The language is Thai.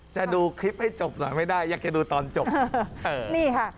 จะดูคลิปให้จบหน่อยไม่ได้อยากจะดูตอนจบนี่ค่ะ